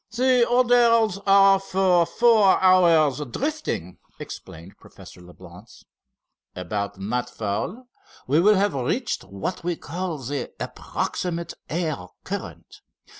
"The orders are for four hours drifting," explained Professor Leblance. "About nightfall we will have reached what we call the approximate air current.